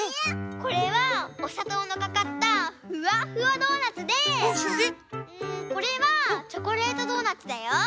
これはおさとうのかかったふわふわドーナツでこれはチョコレートドーナツだよ。